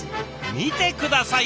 見て下さい！